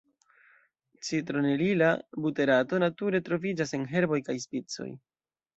Citronelila buterato nature troviĝas en herboj kaj spicoj.